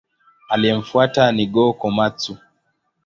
Aliyemfuata ni Go-Komatsu.